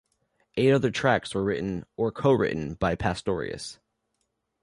Eight other tracks were written or co-written by Pastorius.